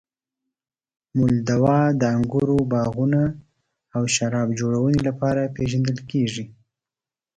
مولدوا د انګورو باغونو او شرابو جوړونې لپاره پېژندل کیږي.